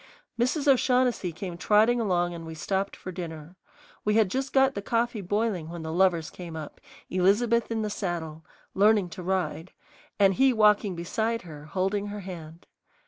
Mrs. O'Shaughnessy came trotting along and we stopped for dinner. We had just got the coffee boiling when the lovers came up, Elizabeth in the saddle, "learning to ride," and he walking beside her holding her hand.